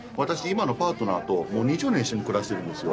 今のパートナーともう２０年一緒に暮らしてるんですよ